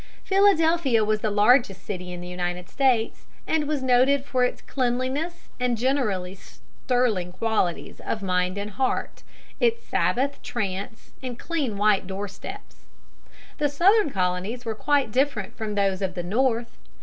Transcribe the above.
Philadelphia was the largest city in the United States, and was noted for its cleanliness and generally sterling qualities of mind and heart, its Sabbath trance and clean white door steps. The Southern Colonies were quite different from those of the North.